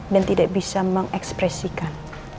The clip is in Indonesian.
dan tidak bisa mengekspresikan